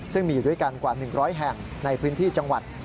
ซึ่งมีอยู่ด้วยกันกว่า๑๐๐แห่งในพื้นที่จังหวัด